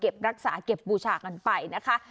รักษาเก็บบูชากันไปนะคะ